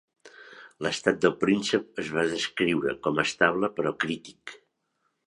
L'estat del príncep es va descriure com a "estable, però crític".